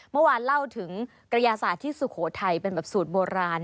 เมื่อวานเล่าถึงกระยาศาสตร์ที่สุโขทัยเป็นแบบสูตรโบราณ